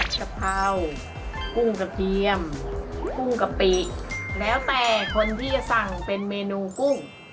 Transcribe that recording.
กะเพรากุ้งกระเทียมกุ้งกะปิแล้วแต่คนที่จะสั่งเป็นเมนูกุ้ง